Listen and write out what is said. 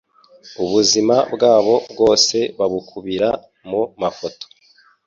Ubuzima bwabo bwose babukubira mu mafoto